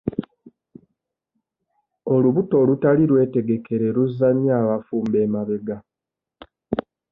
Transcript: Olubuto olutali lwetegekere luzza nnyo abafumbo emabega.